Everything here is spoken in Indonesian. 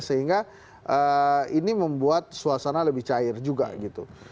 sehingga ini membuat suasana lebih cair juga gitu